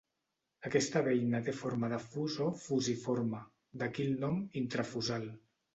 Aquesta beina té forma de fus o "fusiforme", d'aquí el nom "intrafusal".